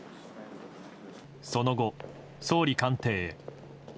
その後、総理官邸。